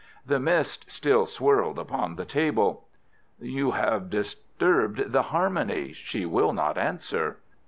The mist still swirled upon the table. "You have disturbed the harmony. She will not answer."